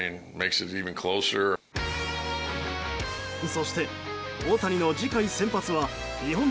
そして大谷の次回先発は日本